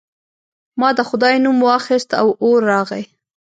ما د خدای نوم واخیست او اور راغی.